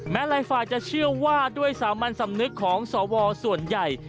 หลายฝ่ายจะเชื่อว่าด้วยสามัญสำนึกของสวส่วนใหญ่